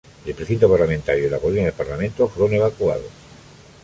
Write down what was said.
El precinto parlamentario y la colina del parlamento fueron evacuados.